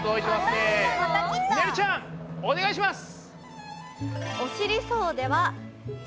ねるちゃんお願いします！